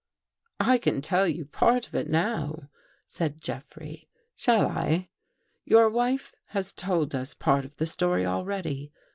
" I can tell you part of it now," said Jeffrey. " Shall I? Your wife has told us part of the story already.